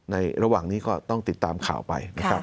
ระหว่างนี้ก็ต้องติดตามข่าวไปนะครับ